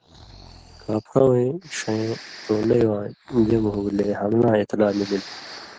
کاپھرہ وَیں ݜېں ٹولئی واں جمع ہُوگلےحملاں اطلاع مِللوۡ